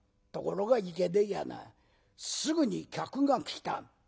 ところがいけねえやなすぐに客が来た。